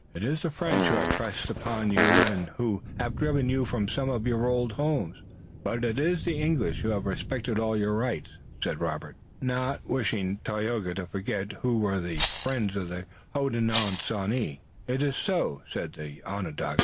"It is the French who have pressed upon you and who have driven you from some of your old homes, but it is the English who have respected all your rights," said Robert, not wishing Tayoga to forget who were the friends of the Hodenosaunee. "It is so," said the Onondaga.